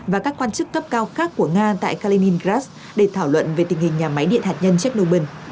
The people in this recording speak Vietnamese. và các quan chức cấp cao khác của nga tại kaliningrad để thảo luận về tình hình nhà máy điện hạt nhân chernobyn